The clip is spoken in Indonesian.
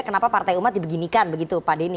kenapa partai umat dibeginikan begitu pada ini